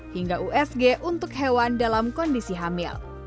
hingga usg untuk hewan dalam kondisi hamil